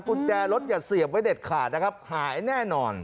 กุญแจรถอย่าเสียบไว้เด็ดขาดนะครับหายแน่นอน